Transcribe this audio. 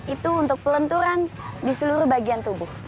itu untuk pelenturan di seluruh bagian tubuh